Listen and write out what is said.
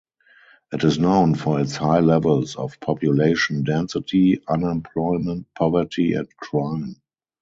It is known for its high levels of population density, unemployment, poverty and crime.